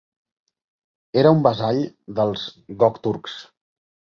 Era un vassall dels Gokturks.